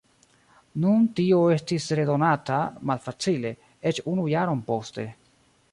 Nun tio estis redonata malfacile, eĉ unu jaron poste.